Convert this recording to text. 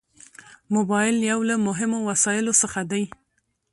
موبایل یو له مهمو وسایلو څخه دی.